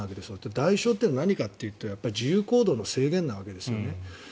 代償は何かというと自由行動の制限なわけです。